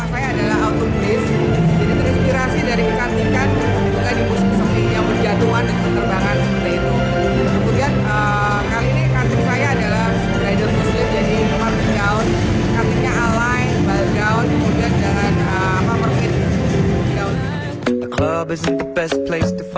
sebelumnya muslim fashion festival ini menunjukkan kegiatan yang menarik